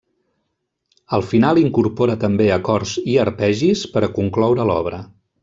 El final incorpora també acords i arpegis per a concloure l'obra.